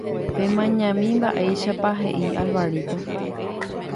Pemañami mba'éichapa he'i Alvarito